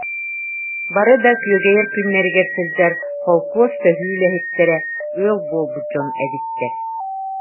Бары да күөгэйэр күннэригэр сылдьар, холкуос төһүү үлэһиттэрэ, ыал буолбут дьон эбиттэр